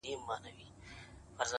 له هر ماښامه تر سهاره بس همدا کیسه وه-